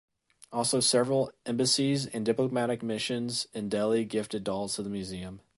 Also several embassies and diplomatic missions in Delhi gifted dolls to the museum.